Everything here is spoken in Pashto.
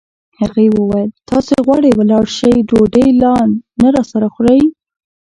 هغې وویل: تاسي غواړئ ولاړ شئ، ډوډۍ لا نه راسره خورئ.